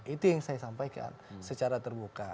itu yang saya sampaikan secara terbuka